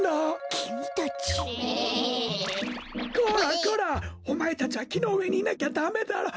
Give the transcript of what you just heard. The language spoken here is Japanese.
こらこらおまえたちはきのうえにいなきゃダメだろ。